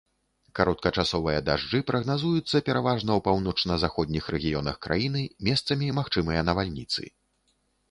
Кароткачасовыя дажджы прагназуюцца пераважна ў паўночна-заходніх рэгіёнах краіны, месцамі магчымыя навальніцы.